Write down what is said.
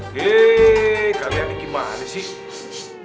hei kalian ini gimana nih sih